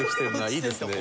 いいですね。